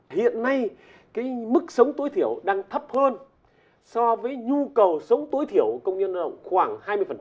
hiện nay mức sống tối thiểu đang thấp hơn so với nhu cầu sống tối thiểu của công nhân lao động khoảng hai mươi